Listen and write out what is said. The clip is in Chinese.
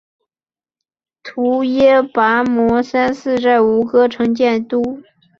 阇耶跋摩三世在吴哥城建都。